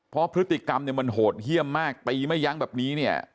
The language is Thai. เพราะพฤติกรรมเนี่ยมันโหดเยี่ยมมากตีไม่ยั้งแบบนี้เนี่ย